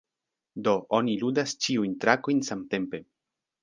Do oni ludas ĉiujn trakojn samtempe.